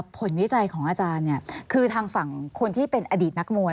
วิจัยของอาจารย์คือทางฝั่งคนที่เป็นอดีตนักมวย